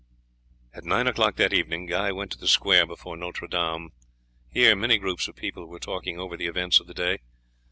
At nine o'clock that evening Guy went to the square before Notre Dame. Here many groups of people were talking over the events of the day.